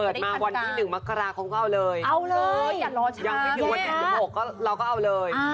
ถ้าวันนี้เปิดมาวันที่๑มักราคมก็เอาเลย